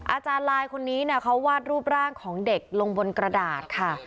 อาจารย์ลายคนนี้เขาวาดรูปร่างของเด็กลงบนกระดาษค่ะ